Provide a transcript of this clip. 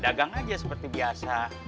dagang aja seperti biasa